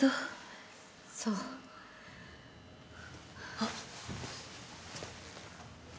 あっ。